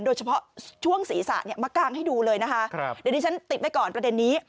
โดยเฉพาะช่วงศีรษะเนี่ยมากางให้ดูเลยนะคะเดี๋ยวดิฉันติดไว้ก่อนประเด็นนี้